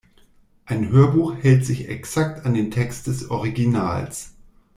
Ein Hörbuch hält sich exakt an den Text des Originals.